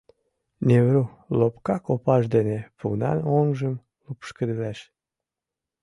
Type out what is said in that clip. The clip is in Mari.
Не вру! — лопка копаж дене пунан оҥжым лупшкедылеш.